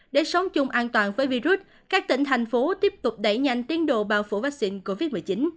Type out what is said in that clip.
để sống chung an toàn với virus các tỉnh thành phố tiếp tục đẩy nhanh tiến độ bao phủ vaccine covid một mươi chín